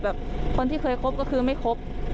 คนที่เคยคบก็คือไม่ครบ